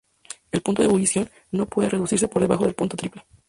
El punto de ebullición no puede reducirse por debajo del punto triple.